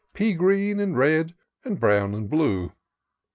Pea green and red, and brown and blue.